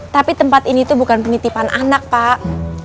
tapi tempat ini tuh bukan penitipan anak pak